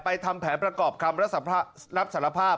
ทำแผนประกอบคำรับสารภาพ